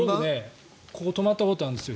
ここ泊まったことあるんですよ。